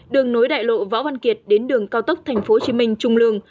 đường nối đại lộ võ văn kiệt đến đường cao tốc tp hcm trung lương